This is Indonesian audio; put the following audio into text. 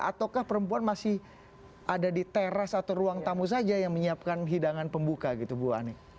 ataukah perempuan masih ada di teras atau ruang tamu saja yang menyiapkan hidangan pembuka gitu bu ani